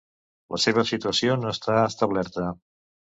La seva situació no està establerta.